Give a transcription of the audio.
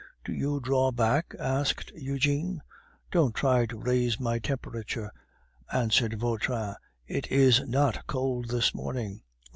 "Do you draw back?" asked Eugene. "Don't try to raise my temperature," answered Vautrin, "it is not cold this morning.